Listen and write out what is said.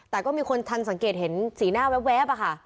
แต่ก็มีคนทันสังเกตเห็นสีหน้าแว๊บอะค่ะ